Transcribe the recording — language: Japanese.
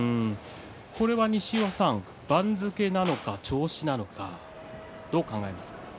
これは西岩さん番付なのか調子なのかどう考えますか。